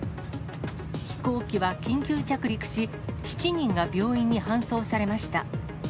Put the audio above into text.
飛行機は緊急着陸し、７人が病院に搬送されました。